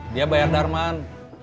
dia bayar darman